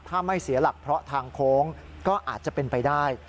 ถ้าไม่เสียหลักเพราะทางโค้งก็อาจจะเป็นไปได้